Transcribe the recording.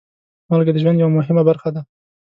مالګه د ژوند یوه مهمه برخه ده.